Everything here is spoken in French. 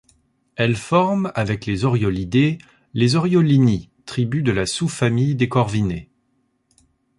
Elle forme avec les oriolidés, les Oriolini, tribu de la sous-famille des corvinés.